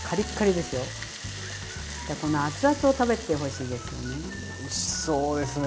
でこの熱々を食べてほしいですよね。